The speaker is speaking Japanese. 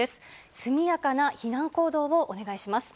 速やかな避難行動をお願いします。